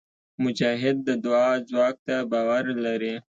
مجاهد د دعا ځواک ته باور لري.